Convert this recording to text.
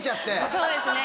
そうですね